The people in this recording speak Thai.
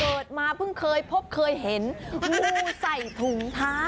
เกิดมาเพิ่งเคยพบเคยเห็นงูใส่ถุงเท้า